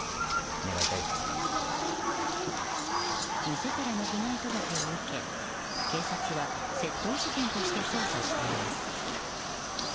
店からの被害届を受け、警察は窃盗事件として捜査しています。